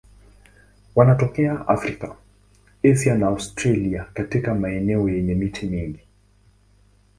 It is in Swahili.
Wanatokea Afrika, Asia na Australia katika maeneo yenye miti mingi.